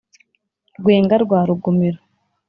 rwenga rwa rugumira